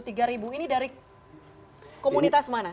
ini dari komunitas mana